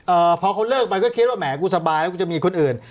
พอเขาเลิกไปก็คิดว่าแหมกูสบายแล้วกูจะมีคนอื่น